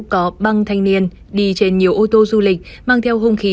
có băng thanh niên đi trên nhiều ô tô du lịch mang theo hung khí